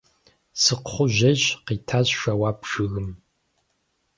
– Сыкхъужьейщ! – къитащ жэуап жыгым.